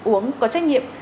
uống có trách nhiệm